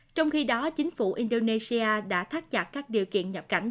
trong khi đó chính phủ indonesia đã thác giặc các điều kiện nhập cảnh